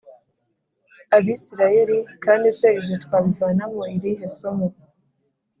Abisirayeli kandi se ibyo twabivanamo irihe somo